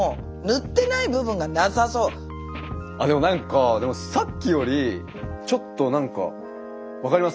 でも何かさっきよりちょっと何か分かります。